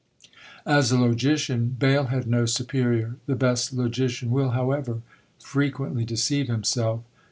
As a logician Bayle had no superior; the best logician will, however, frequently deceive himself.